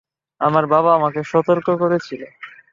আমার বাবা আমাকে সতর্ক করেছিল!